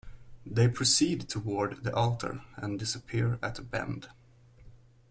They proceed toward the altar and disappear at a bend.